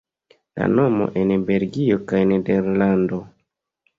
La nomo en Belgio kaj Nederlando.